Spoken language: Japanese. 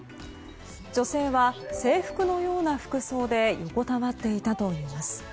女性は制服のような服装で横たわっていたといいます。